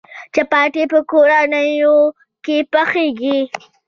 چپاتي په کورونو کې پخیږي.